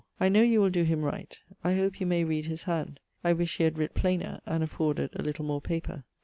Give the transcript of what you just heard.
I know you will doe him right. I hope you may read his hand. I wish he had writt plainer, and afforded a little more paper.